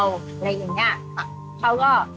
อะไรอย่างนี้เขาก็